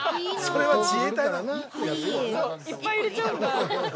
◆いっぱい入れちゃうんだ。